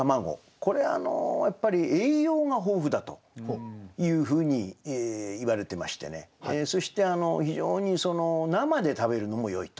これやっぱり栄養が豊富だというふうにいわれてましてねそして非常に生で食べるのもよいと。